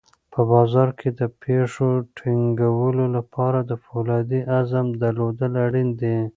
په بازار کې د پښو ټینګولو لپاره د فولادي عزم درلودل اړین دي.